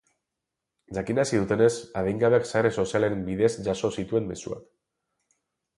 Jakinarazi dutenez, adingabeak sare sozialen bidez jaso zituen mezuak.